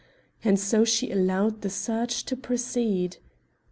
And so she allowed the search to proceed.